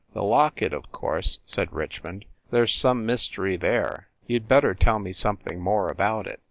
"The locket, of course!" said Richmond. "There s some mystery there. You d better tell me something more about it."